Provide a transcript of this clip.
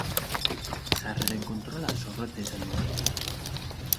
Sarreren kontrola zorrotza izango da.